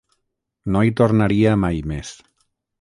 No hi tornaria mai més.